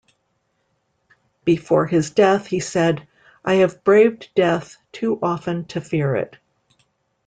Before his death, he said; I have braved death too often to fear it.